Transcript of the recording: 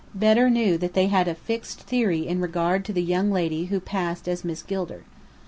Bedr knew that they had a fixed theory in regard to the young lady who passed as Miss Gilder.